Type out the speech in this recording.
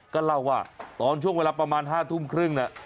ก็เล่าว่าตอนช่วงเวลาประมาณ๕ทุ่มครึ่งเนี่ย